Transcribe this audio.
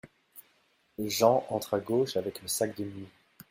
Jean entre à gauche avec le sac de nuit.